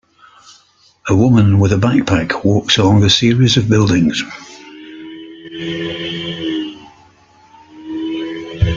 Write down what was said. A woman with a backpack walks along a series of buildings.